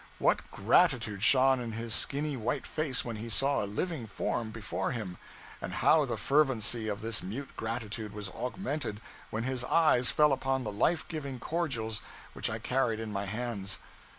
What gratitude shone in his skinny white face when he saw a living form before him! And how the fervency of this mute gratitude was augmented when his eyes fell upon the life giving cordials which I carried in my hands!